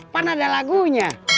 pernah ada lagunya